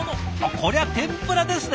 こりゃ天ぷらですね。